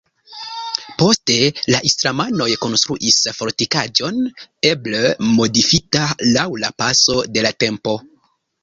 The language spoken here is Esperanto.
Poste la islamanoj konstruis fortikaĵon eble modifita laŭ la paso de la tempo.